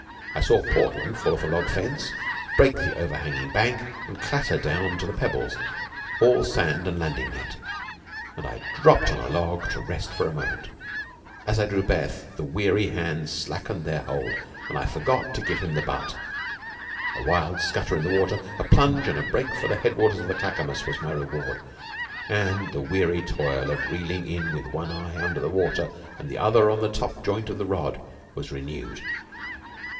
I saw Portland fall off a log fence, break the overhanging bank, and clatter down to the pebbles, all sand and landing net, and I dropped on a log to rest for a moment. As I drew breath the weary hands slackened their hold, and I forgot to give him the butt. A wild scutter in the water, a plunge, and a break for the head waters of the Clackamas was my reward, and the weary toil of reeling in with one eye under the water and the other on the top joint of the rod was renewed.